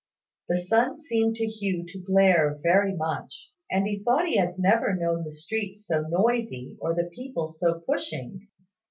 The sun seemed to Hugh to glare very much; and he thought he had never known the streets so noisy, or the people so pushing.